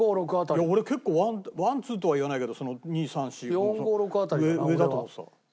いや俺結構ワンツーとは言わないけど２３４上だと思ってた。